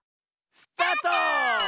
スタート！